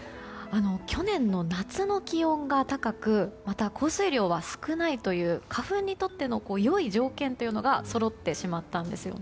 去年の夏の気温が高くまた降水量が少ないという花粉にとっての良い条件というのがそろってしまったんですよね。